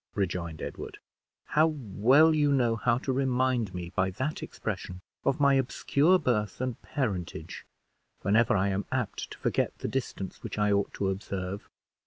rejoined Edward; "how well you know how to remind me, by that expression, of my obscure birth and parentage, whenever I am apt to forget the distance which I ought to observe!"